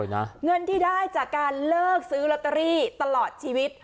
เงินที่ได้จากการเลิกซื้อลอตเตอรี่ตลอดชีวิต